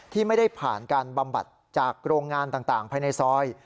ที่ไม่ได้ผ่านการบำบัดจากโรงงานต่างภายในซอย